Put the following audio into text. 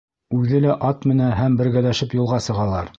Үҙе лә ат менә һәм бергәләшеп юлға сығалар.